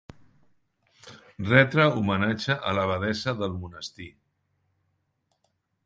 Retre homenatge a l'abadessa del monestir.